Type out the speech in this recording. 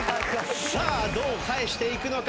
さあどう返していくのか？